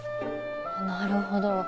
なるほど。